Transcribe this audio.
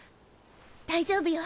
大丈夫よ。